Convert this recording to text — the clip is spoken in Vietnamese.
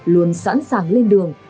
luôn sẵn sàng lên đường